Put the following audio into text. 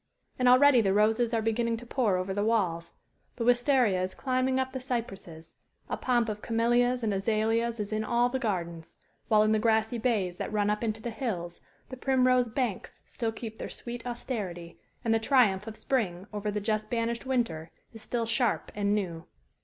And already the roses are beginning to pour over the walls; the wistaria is climbing up the cypresses; a pomp of camellias and azaleas is in all the gardens; while in the grassy bays that run up into the hills the primrose banks still keep their sweet austerity, and the triumph of spring over the just banished winter is still sharp and new.